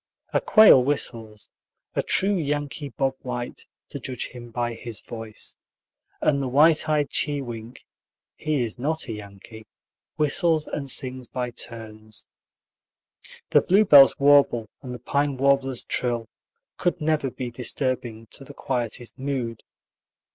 A quail whistles, a true Yankee Bob White, to judge him by his voice, and the white eyed chewink (he is not a Yankee) whistles and sings by turns. The bluebird's warble and the pine warbler's trill could never be disturbing to the quietest mood.